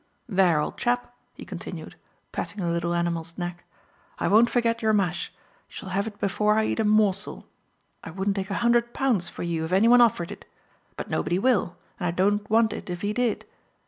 There, old chap," he continued, patting the little animal's neck, "I won't forget your mash. You shall have it before I eat a morsel. I wouldn't take a hundred pounds for you if any one offered it; but nobody will, and I don't want it if he did.